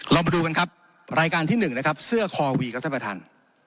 เรามาดูกันครับรายการที่หนึ่งนะครับเสื้อคอวีครับท่านประธาน